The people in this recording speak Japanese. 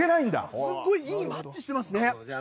すごい、いいマッチしてますね。